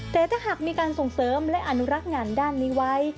แต่ถ้าหากมีการส่งเสริมและอนุรักษ์งานด้านนี้ไว้